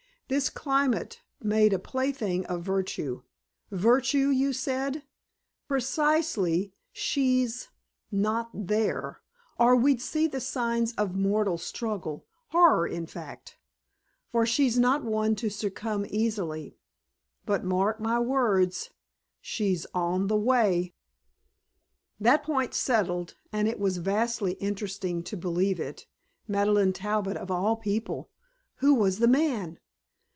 This climate made a plaything of virtue. "Virtue you said? Precisely. She's not there or we'd see the signs of moral struggle, horror, in fact; for she's not one to succumb easily. But mark my words, she's on the way." That point settled, and it was vastly interesting to believe it (Madeleine Talbot, of all people!), who was the man?